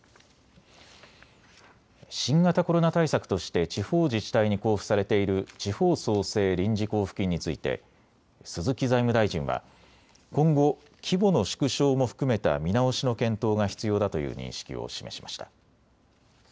新型コロナ対策として地方自治体に交付されている地方創生臨時交付金について鈴木財務大臣は今後、規模の縮小も含めた見直しの検討が必要だという認識を示しました。